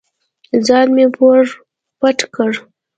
ځان مې پوره پټ کړ.